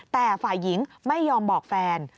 แต่ฝ่ายหญิงไม่ยอมบอกแฟน